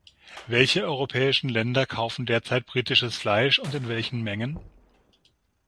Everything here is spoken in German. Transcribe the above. Welche europäischen Länder kaufen derzeit britisches Fleisch und in welchen Mengen?